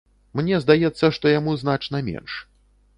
Мне здаецца, што яму значна менш.